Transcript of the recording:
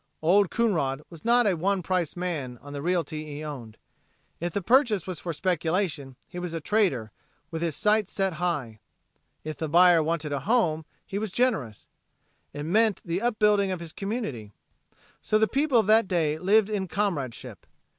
Old Coonrod was not a one price man on the realty he owned. If the purchase was for speculation he was a trader with his sights set high. If the buyer wanted a home, he was generous. It meant the upbuilding of his community. So the people of that day lived in comradeship.